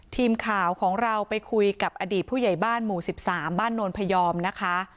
ทีมข่าวของเราไปคุยกับอดีตผู้ใหญ่บ้านหมู่๑๓บ้านโนนพยอมนะคะ